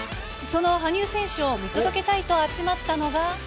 その羽生選手を見届けたいと集まったのが。